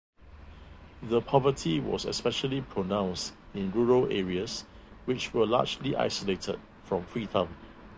The poverty was especially pronounced in rural areas, which were largely isolated from Freetown.